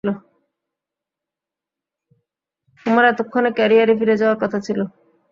তোমার এতক্ষণে ক্যারিয়ারে ফিরে যাওয়ার কথা ছিল!